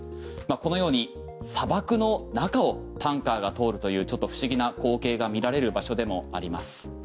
このように砂漠の中をタンカーが通るというちょっと不思議な光景が見られる場所でもあります。